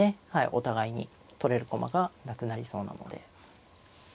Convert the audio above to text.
お互いに取れる駒がなくなりそうなので。